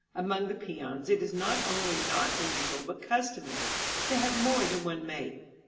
Among the peons it is not only not unusual but customary to have more than one mate.